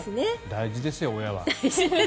大事ですよ親は。